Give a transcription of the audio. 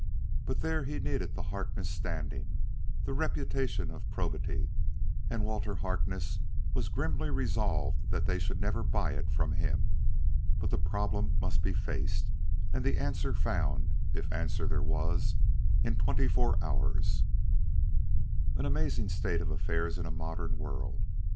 But there he needed the Harkness standing, the reputation for probity and Walter Harkness was grimly resolved that they should never buy it from him. But the problem must be faced, and the answer found, if answer there was, in twenty four hours. An amazing state of affairs in a modern world!